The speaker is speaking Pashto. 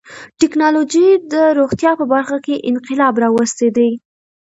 ټکنالوجي د روغتیا په برخه کې انقلاب راوستی دی.